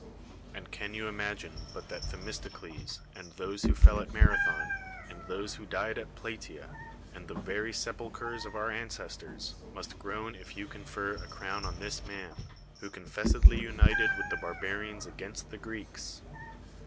And can you imagine but tliat Themistocles, and those who fell at Marathon, and those who died at Plata^a, and the very se]v uk; hers of our ancestors, must groan if you con fer a crown on this man, who confessedly united with the Barbarians against the Greeks?